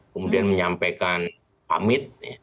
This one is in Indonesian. kemudian menyampaikan pamit